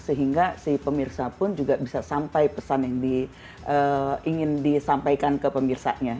sehingga si pemirsa pun juga bisa sampai pesan yang ingin disampaikan ke pemirsanya